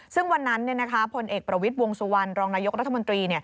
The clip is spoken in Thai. ซึ่งวันนั้นพลเอกประวิทย์วงสุวรรณรองนายกรัฐมนตรี